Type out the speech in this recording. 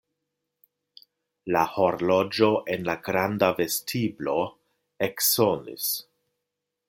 La horloĝo en la granda vestiblo eksonis.